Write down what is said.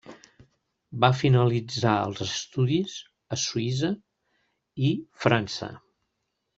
Va finalitzar els estudis a Suïssa i França.